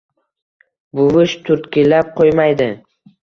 Buvish turtkilab qoʼymaydi: